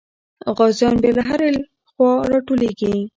غازیان به له هرې خوا راټولېږي.